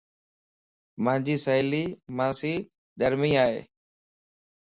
مانجي سھيلي مانسي ڏمري اي